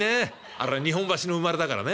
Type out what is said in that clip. あれ日本橋の生まれだからね